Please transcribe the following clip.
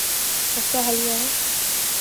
مسئلہ حل ہوا ہے۔